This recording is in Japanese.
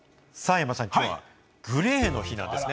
山ちゃん、きょうはＧＬＡＹの日なんですね。